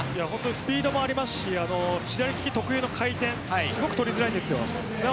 スピードもありますし左利き特有の回転すごく取りづらいんです。